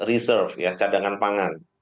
tidak mewajibkan catangan pangan